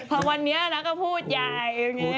แหน่พอวันนี้แล้วก็พูดใหญ่อย่างนี้